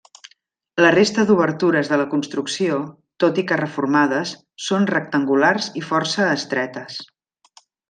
La resta d'obertures de la construcció, tot i que reformades, són rectangulars i força estretes.